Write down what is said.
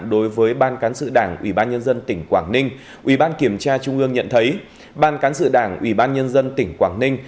đối với ban cán sự đảng ủy ban nhân dân tỉnh quảng ninh